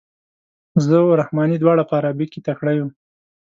زه او رحماني دواړه په عربي کې تکړه یو.